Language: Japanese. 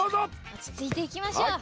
おちついていきましょう。